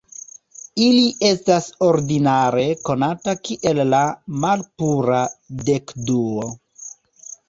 Ili estas ordinare konata kiel la malpura dekduo,